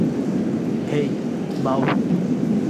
হেই, বাও!